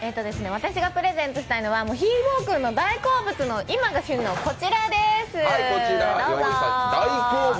私がプレゼントしたいのはひーぼぉくんの大好物の今が旬のこちらです、どうぞ。